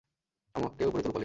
আমাকে উপরে তোলো, পলিন।